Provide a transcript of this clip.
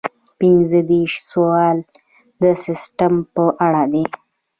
پنځه دېرشم سوال د سیسټم په اړه دی.